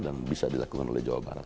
dan bisa dilakukan oleh jawa barat